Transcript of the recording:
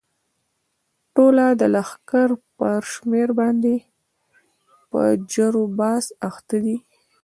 ټوله د لښکر پر شمېر باندې په جرو بحث اخته دي.